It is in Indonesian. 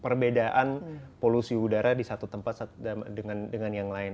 perbedaan polusi udara di satu tempat dengan yang lain